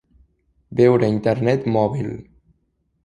Veure internet mòbil.